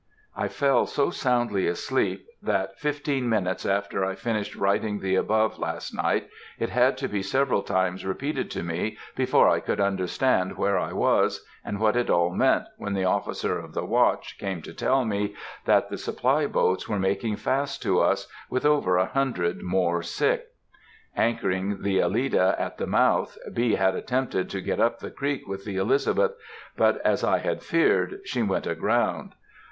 _ I fell so soundly asleep, that, fifteen minutes after I finished writing the above last night, it had to be several times repeated to me before I could understand where I was and what it all meant when the officer of the watch came to tell me that the supply boats were making fast to us, with over a hundred more sick. Anchoring the Alida at the mouth, B. had attempted to get up the creek with the Elizabeth, but, as I had feared, she went aground.